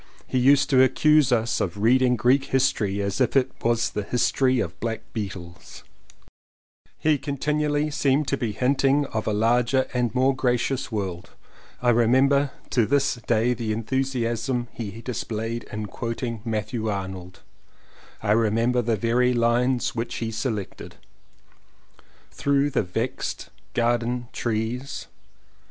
He used to accuse us of reading Greek History as if it was the history of black beetles. He continually seemed to be hinting of a larger and more gracious world. I remember to this day the enthusiasm he displayed in quoting Matthew Arnold — I remember the very lines which he selected: "Through the vex'd garden trees."